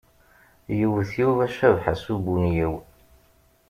Yewwet Yuba Cabḥa s ubunyiw.